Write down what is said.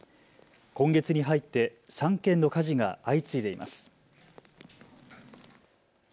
今月に入って３件の火事が相次いでいます。